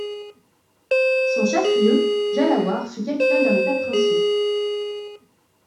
Son chef-lieu, Jhalawar, fut capitale d'un État princier.